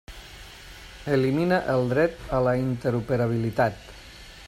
Elimina el dret a la interoperabilitat.